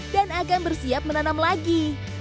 dan agak bersiap menanam lagi